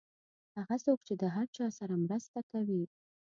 هغه څوک چې د هر چا سره مرسته کوي.